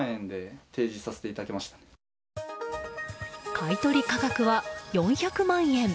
買い取り価格は４００万円。